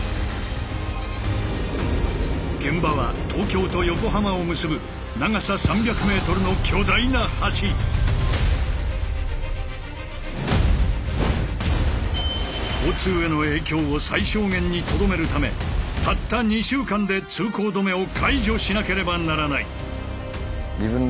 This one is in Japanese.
現場は東京と横浜を結ぶ長さ交通への影響を最小限にとどめるためたった２週間で通行止めを解除しなければならない。